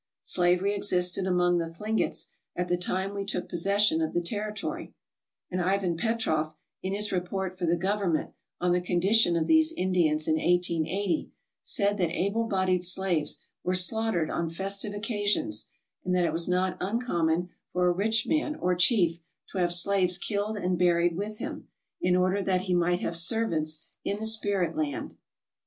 Slavery existed among the Thlingets at the time we took possession of the territory, and Ivan Petroff in his report for the Govern ment on the condition of these Indians in 1880 said that able bodied slaves were slaughtered on festive occasions, and that it was not uncommon for a rich man or chief to have slaves killed and buried with him, in order that he might have servants in the spirit land.